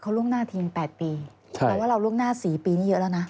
ล่วงหน้าทีม๘ปีแต่ว่าเราล่วงหน้า๔ปีนี้เยอะแล้วนะ